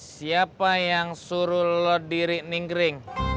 siapa yang suruh lo diri ninggering